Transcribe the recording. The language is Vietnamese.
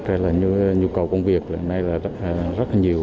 rồi là nhu cầu công việc lần này là rất là nhiều